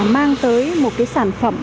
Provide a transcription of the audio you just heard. mang tới một cái sản phẩm